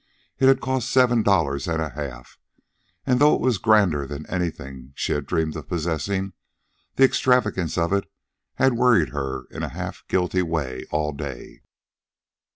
It had cost seven dollars and a half, and, though it was grander than anything she had dreamed of possessing, the extravagance of it had worried her in a half guilty way all day.